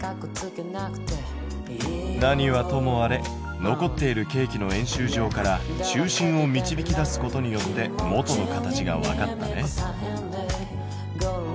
何はともあれ残っているケーキの円周上から中心を導き出すことによって元の形がわかったね。